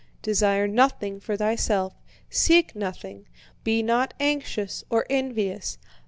"Desire nothing for thyself, seek nothing, be not anxious or envious.